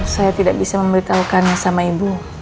saya tidak bisa memberitahukan sama ibu